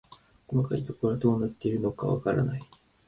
細かいところはどうなっているのかわからない